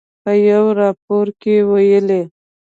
په یوه راپور کې ویلي